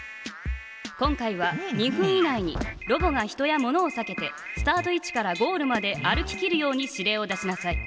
今回は２分以内にロボが人や物をさけてスタート位置からゴールまで歩ききるように指令を出しなさい。